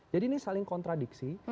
jadi ini saling kontradiksi